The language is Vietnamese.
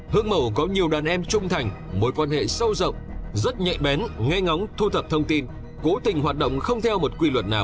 hương mầu có nhiều đàn em trung thành mối quan hệ sâu rộng rất nhạy bén nghe ngóng thu thập thông tin cố tình hoạt động không theo một quy luật nào